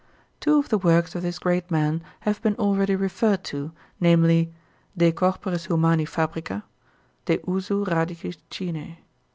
Two of the works of this great man have been already referred to, namely: "De Corporis Humani Fabrica;" "De usu Radicis Chinæ."